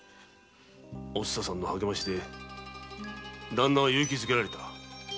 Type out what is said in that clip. お蔦さんの励ましでダンナは勇気づけられた。